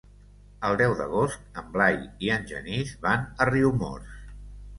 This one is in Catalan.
El deu d'agost en Blai i en Genís van a Riumors.